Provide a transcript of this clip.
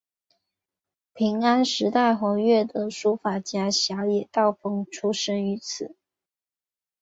平安时代活跃的书法家小野道风出身于此。